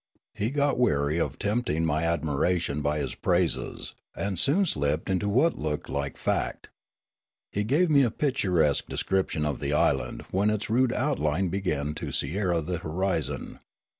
He got wearj' of tempting my admiration by his praises, and soon slipped into what looked like fact. He gave me a picturesque description of the island when its rude outline began to sierra the horizon.